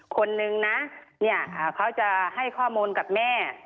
คนหนึ่งนะเขาจะให้ข้อมูลกับแม่